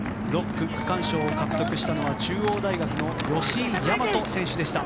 ６区区間賞を獲得したのは中央大学の吉居大和選手でした。